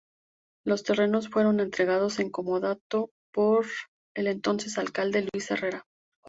Los terrenos fueron entregados en comodato por el entonces alcalde Luis Herrera.